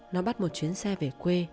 nó bắt một chuyến xe về quê